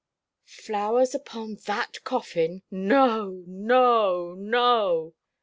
"Flowers upon that coffin? No, no, no!"